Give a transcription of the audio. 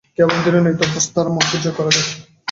কেবল ধীর ও নিয়ত অভ্যাস দ্বারা মনকে জয় করা যায়।